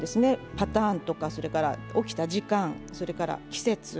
パターンとか起きた時間、それから季節。